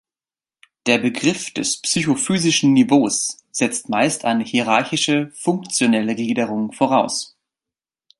Der Begriff des psychophysischen Niveaus setzt meist eine hierarchische funktionelle Gliederung voraus.